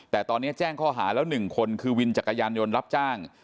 แต่ตอนนี้แจ้งข้อหาแล้ว๑คนคือวินจักรยานยนต์รับจ้าง